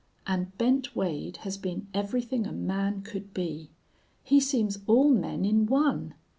And Bent Wade has been everything a man could be. He seems all men in one.